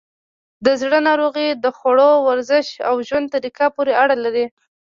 د زړه ناروغۍ د خوړو، ورزش، او ژوند طریقه پورې اړه لري.